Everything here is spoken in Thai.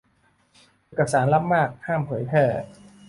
เอกสารลับมาก ห้ามเผยแพร่